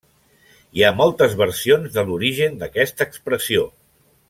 Hi ha moltes versions de l'origen d'aquesta expressió.